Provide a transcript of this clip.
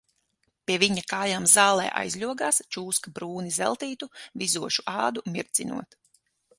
Pie viņa kājām zālē aizļogās čūska brūni zeltītu, vizošu ādu mirdzinot.